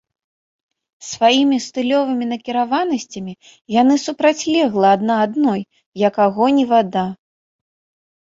Сваімі стылёвымі накіраванасцямі яны супрацьлеглы адна адной, як агонь і вада.